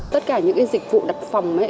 tất cả những cái dịch vụ đặc phòng ấy